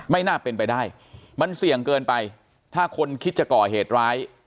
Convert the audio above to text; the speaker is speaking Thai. ไม่น่าเป็นไปได้มันเสี่ยงเกินไปถ้าคนคิดจะก่อเหตุร้าย